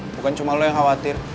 bukan cuma lo yang khawatir